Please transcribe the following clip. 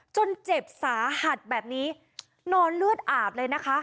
เจ็บสาหัสแบบนี้นอนเลือดอาบเลยนะคะ